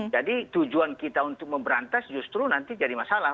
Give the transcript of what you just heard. jadi tujuan kita untuk memberantas justru nanti jadi masalah